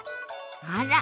あら。